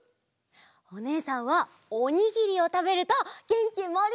おねえさんはおにぎりをたべるとげんきもりもりになるよ！